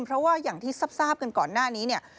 เพราะว่าอย่างที่ทราบกันก่อนหน้านี้เนี่ย